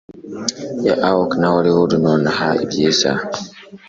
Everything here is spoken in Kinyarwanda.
Ya oak na holly nonaha ibyiza